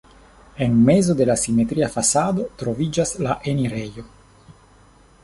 En mezo de la simetria fasado troviĝas la enirejo.